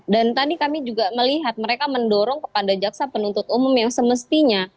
dan tadi kami juga melihat mereka mendorong kepada jaksa penuntut umum yang semestinya